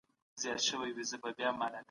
احمد شاه ابدالي څنګه د سولې ملاتړ کاوه؟